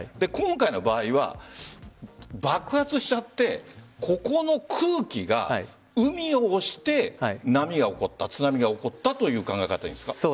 今回の場合は爆発しちゃってここの空気が海を押して津波が起こったという考え方ですか？